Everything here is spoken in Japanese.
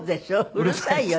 うるさいよ